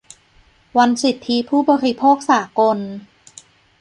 วันสิทธิผู้บริโภคสากล